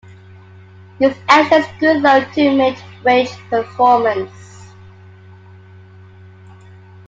This ensures good low to mid-range performance.